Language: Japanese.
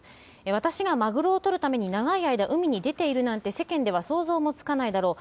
私がマグロを取るために長い間海に出ているなんて、世間では想像もつかないだろう。